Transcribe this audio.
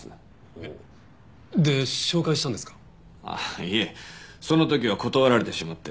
いえその時は断られてしまって。